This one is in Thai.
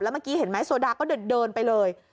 เมื่อกี้เห็นไหมโซดาก็เดินไปเลย